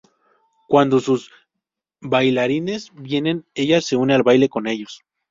Cuando sus bailarines vienen, ella se une al baile con ellos.